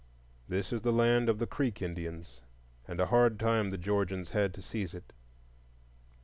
This is the land of the Creek Indians; and a hard time the Georgians had to seize it.